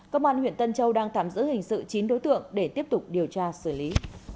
công an huyện tân châu đang tạm giữ hình sự chín đối tượng để tiếp tục điều tra xử lý